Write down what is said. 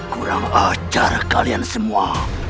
kurang acar kalian semua